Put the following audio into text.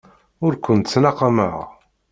Ur kent-ttnaqameɣ.